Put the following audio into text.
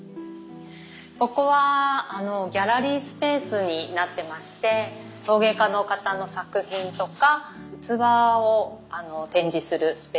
ここはギャラリースペースになってまして陶芸家の方の作品とか器を展示するスペースになっています。